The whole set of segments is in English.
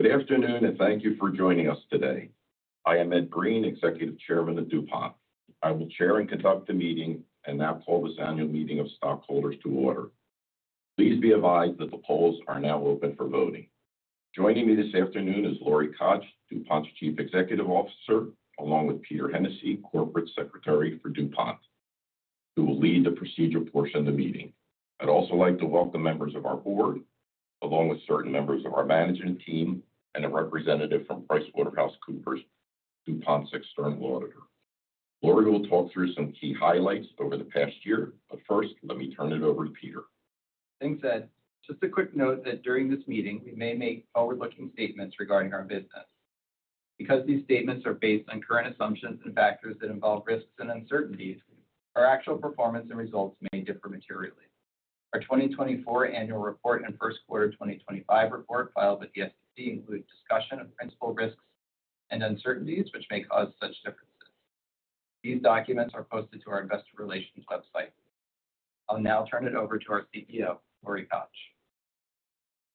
Good afternoon, and thank you for joining us today. I am Ed Breen, Executive Chairman of DuPont. I will chair and conduct the meeting and now call this annual meeting of stockholders to order. Please be advised that the polls are now open for voting. Joining me this afternoon is Lori Koch, DuPont's Chief Executive Officer, along with Peter Hennessey, Corporate Secretary for DuPont, who will lead the procedural portion of the meeting. I'd also like to welcome members of our board, along with certain members of our management team, and a representative from PricewaterhouseCoopers, DuPont's external auditor. Lori will talk through some key highlights over the past year, but first, let me turn it over to Peter. Thanks, Ed. Just a quick note that during this meeting, we may make forward-looking statements regarding our business. Because these statements are based on current assumptions and factors that involve risks and uncertainties, our actual performance and results may differ materially. Our 2024 Annual Report and First Quarter 2025 Report filed with the SEC include discussion of principal risks and uncertainties which may cause such differences. These documents are posted to our investor relations website. I'll now turn it over to our CEO, Lori Koch.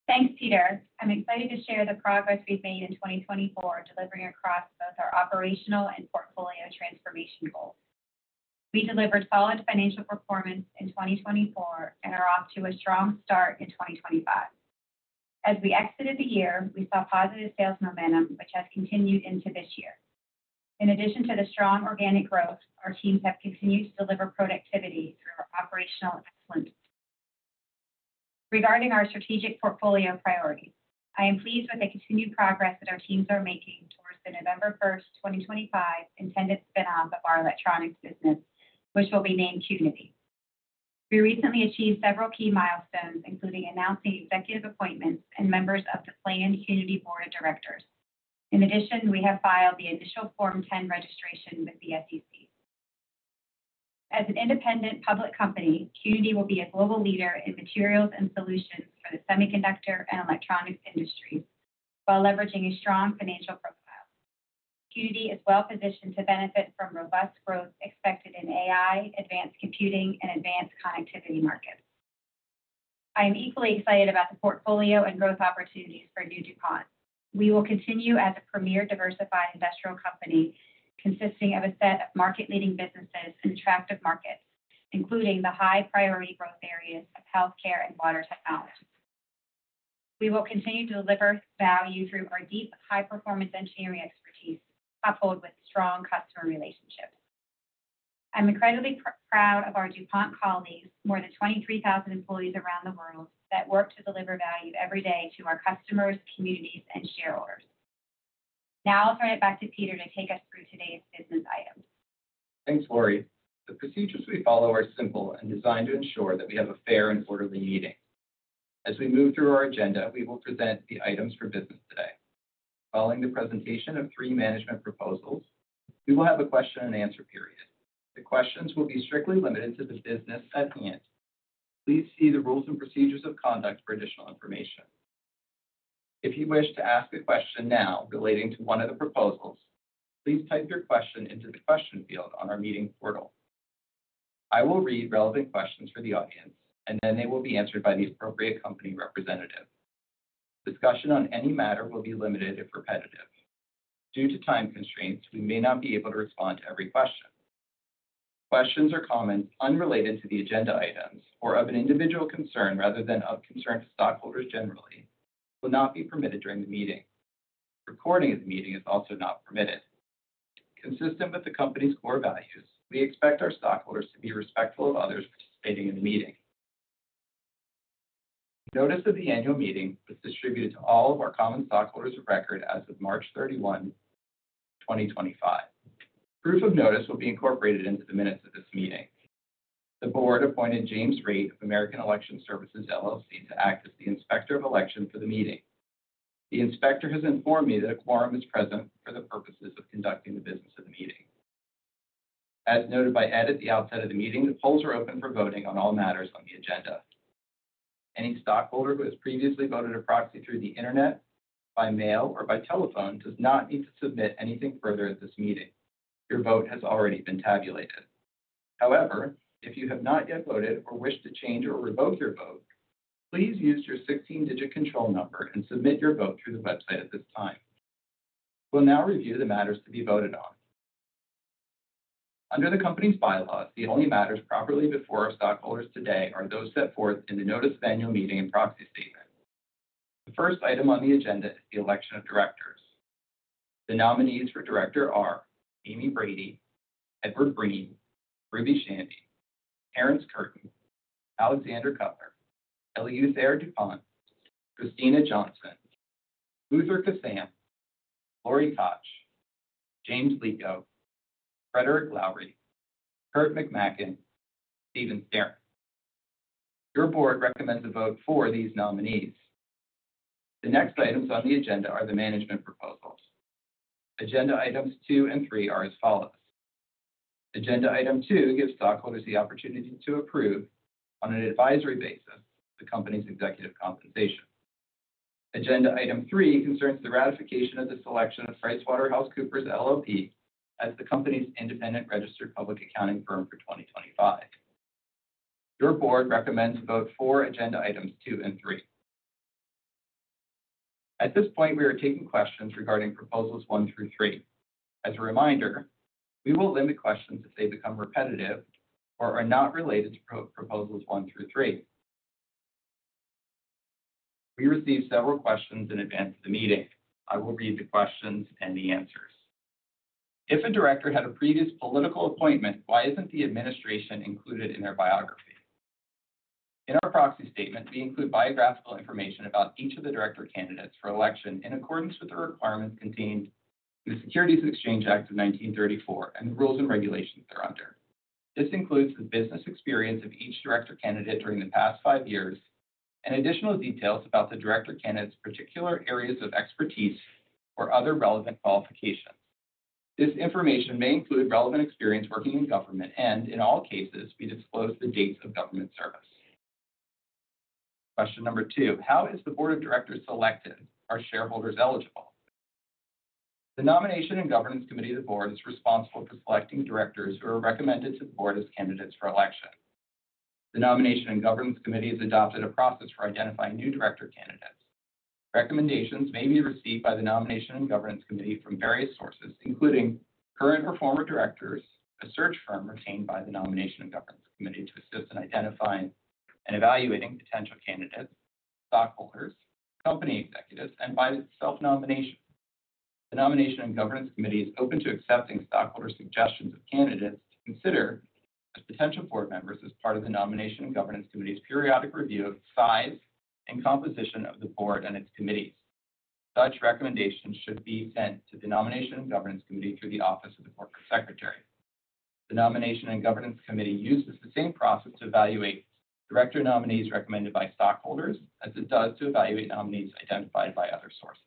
Thanks, Peter. I'm excited to share the progress we've made in 2024, delivering across both our operational and portfolio transformation goals. We delivered solid financial performance in 2024 and are off to a strong start in 2025. As we exited the year, we saw positive sales momentum, which has continued into this year. In addition to the strong organic growth, our teams have continued to deliver productivity through our operational excellence. Regarding our strategic portfolio priorities, I am pleased with the continued progress that our teams are making towards the November 1st, 2025, intended spin-off of our electronics business, which will be named Qnity. We recently achieved several key milestones, including announcing executive appointments and members of the planned Qnity Board of Directors. In addition, we have filed the initial Form 10 registration with the SEC. As an independent public company, Qnity will be a global leader in materials and solutions for the semiconductor and electronics industries while leveraging a strong financial profile. Qnity is well positioned to benefit from robust growth expected in AI, advanced computing, and advanced connectivity markets. I am equally excited about the portfolio and growth opportunities for new DuPont. We will continue as a premier diversified industrial company consisting of a set of market-leading businesses in attractive markets, including the high-priority growth areas of healthcare and water technology. We will continue to deliver value through our deep, high-performance engineering expertise, coupled with strong customer relationships. I'm incredibly proud of our DuPont colleagues, more than 23,000 employees around the world, that work to deliver value every day to our customers, communities, and shareholders. Now I'll turn it back to Peter to take us through today's business items. Thanks, Lori. The procedures we follow are simple and designed to ensure that we have a fair and orderly meeting. As we move through our agenda, we will present the items for business today. Following the presentation of three management proposals, we will have a question and answer period. The questions will be strictly limited to the business at hand. Please see the rules and procedures of conduct for additional information. If you wish to ask a question now relating to one of the proposals, please type your question into the question field on our meeting portal. I will read relevant questions for the audience, and then they will be answered by the appropriate company representative. Discussion on any matter will be limited if repetitive. Due to time constraints, we may not be able to respond to every question. Questions or comments unrelated to the agenda items or of an individual concern rather than of concern to stockholders generally will not be permitted during the meeting. Recording of the meeting is also not permitted. Consistent with the company's core values, we expect our stockholders to be respectful of others participating in the meeting. Notice of the annual meeting was distributed to all of our common stockholders of record as of March 31, 2025. Proof of notice will be incorporated into the minutes of this meeting. The board appointed James Reed of American Election Services to act as the inspector of elections for the meeting. The inspector has informed me that a quorum is present for the purposes of conducting the business of the meeting. As noted by Ed at the outset of the meeting, the polls are open for voting on all matters on the agenda. Any stockholder who has previously voted a proxy through the internet, by mail, or by telephone does not need to submit anything further at this meeting. Your vote has already been tabulated. However, if you have not yet voted or wish to change or revoke your vote, please use your 16-digit control number and submit your vote through the website at this time. We'll now review the matters to be voted on. Under the company's bylaws, the only matters properly before our stockholders today are those set forth in the notice of annual meeting and proxy statement. The first item on the agenda is the election of directors. The nominees for director are Amy Brady, Edward Breen, Ruby Shandy, Terrence Curtain, Alexander Cutler, Eleuthere du Pont, Kristina Johnson, Luther Kissam, Lori Koch, James Lico, Frederick Lowery, Kurt McMaken, and Steven Sterin. Your board recommends a vote for these nominees. The next items on the agenda are the management proposals. Agenda items two and three are as follows. Agenda item two gives stockholders the opportunity to approve on an advisory basis the company's executive compensation. Agenda item three concerns the ratification of the selection of PricewaterhouseCoopers LLP, as the company's independent registered public accounting firm for 2025. Your board recommends a vote for agenda items two and three. At this point, we are taking questions regarding proposals one through three. As a reminder, we will limit questions if they become repetitive or are not related to proposals one through three. We received several questions in advance of the meeting. I will read the questions and the answers. If a director had a previous political appointment, why isn't the administration included in their biography? In our proxy statement, we include biographical information about each of the director candidates for election in accordance with the requirements contained in the Securities and Exchange Act of 1934 and the rules and regulations they're under. This includes the business experience of each director candidate during the past five years and additional details about the director candidate's particular areas of expertise or other relevant qualifications. This information may include relevant experience working in government and, in all cases, we disclose the dates of government service. Question number two, how is the Board of Directors selected? Are shareholders eligible? The Nomination and Governance Committee of the board is responsible for selecting directors who are recommended to the board as candidates for election. The Nomination and Governance Committee has adopted a process for identifying new director candidates. Recommendations may be received by the Nomination and Governance Committee from various sources, including current or former directors, a search firm retained by the Nomination and Governance Committee to assist in identifying and evaluating potential candidates, stockholders, company executives, and by self-nomination. The Nomination and Governance Committee is open to accepting stockholder suggestions of candidates to consider as potential board members as part of the Nomination and Governance Committee's periodic review of the size and composition of the board and its committees. Such recommendations should be sent to the Nomination and Governance Committee through the office of the Corporate Secretary. The Nomination and Governance Committee uses the same process to evaluate director nominees recommended by stockholders as it does to evaluate nominees identified by other sources.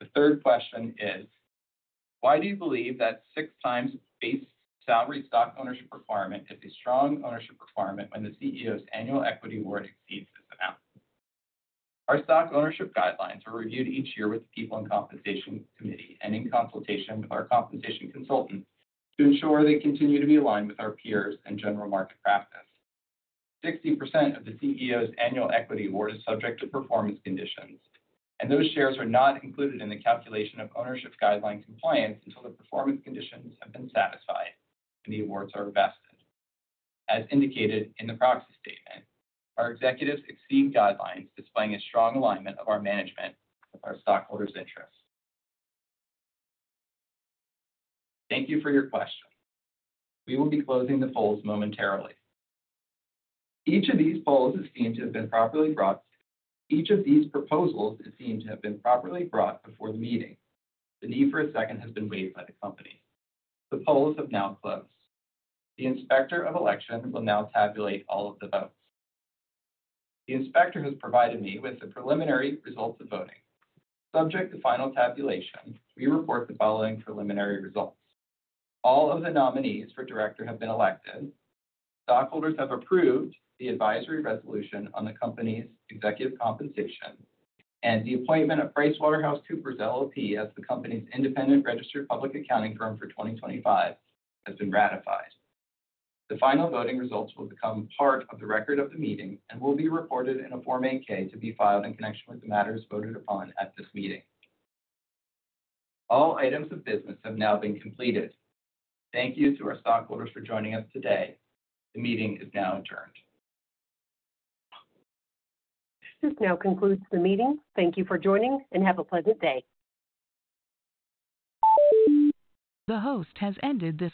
The third question is, why do you believe that six times base salary stock ownership requirement is a strong ownership requirement when the CEO's annual equity award exceeds this amount? Our stock ownership guidelines are reviewed each year with the People and Compensation Committee and in consultation with our compensation consultant to ensure they continue to be aligned with our peers and general market practice. Sixty percent of the CEO's annual equity award is subject to performance conditions, and those shares are not included in the calculation of ownership guideline compliance until the performance conditions have been satisfied and the awards are vested. As indicated in the proxy statement, our executives exceed guidelines, displaying a strong alignment of our management with our stockholders' interests. Thank you for your question. We will be closing the polls momentarily. Each of these polls is deemed to have been properly brought. Each of these proposals is deemed to have been properly brought before the meeting. The need for a second has been waived by the company. The polls have now closed. The inspector of elections will now tabulate all of the votes. The inspector has provided me with the preliminary results of voting. Subject to final tabulation, we report the following preliminary results. All of the nominees for director have been elected. Stockholders have approved the advisory resolution on the company's executive compensation, and the appointment of PricewaterhouseCoopers LLP, as the company's independent registered public accounting firm for 2025 has been ratified. The final voting results will become part of the record of the meeting and will be reported in a Form 8-K to be filed in connection with the matters voted upon at this meeting. All items of business have now been completed. Thank you to our stockholders for joining us today. The meeting is now adjourned. This now concludes the meeting. Thank you for joining, and have a pleasant day. The host has ended this.